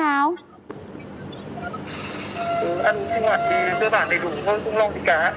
ăn uống sinh hoạt thì cơ bản đầy đủ thôi không lo gì cả